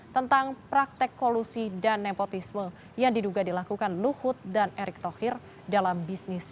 tentang praktek kolusi dan nepotisme yang diduga dilakukan luhut dan erick thohir dalam bisnis